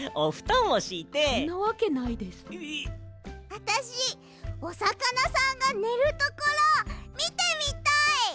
あたしおさかなさんがねるところみてみたい！